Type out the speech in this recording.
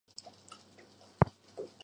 他在位期间没有册封任何枢机。